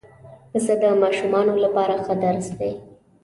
پسه د ماشومانو لپاره ښه درس دی.